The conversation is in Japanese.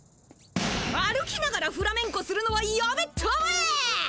歩きながらフラメンコするのはやめたまえ！